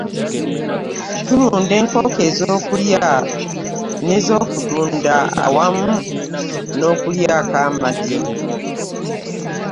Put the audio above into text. Tulunda enkoko ez'okulya n'ezokutunda awamu nokulyako amagi.